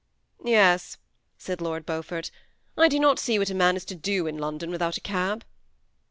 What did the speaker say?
" Yes," said Lord Beaufort ;" I do not see what a man is to do in London without a cab."